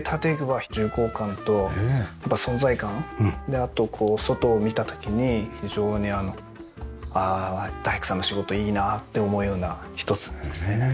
あと外を見た時に非常にああ大工さんの仕事いいなあって思うような一つですね。